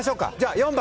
４番。